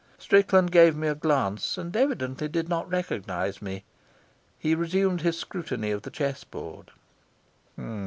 Strickland gave me a glance, and evidently did not recognise me. He resumed his scrutiny of the chess board.